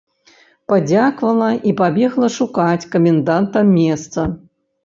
Падзякавала і пабегла шукаць каменданта места.